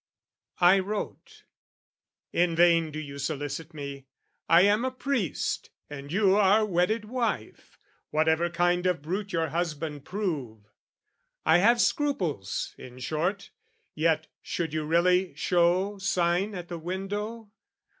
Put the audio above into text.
I wrote "In vain do you solicit me. "I am a priest: and you are wedded wife, "Whatever kind of brute your husband prove. "I have scruples, in short. Yet should you really show "Sign at the window...